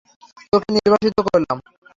তোকে নির্বাসিত করলাম।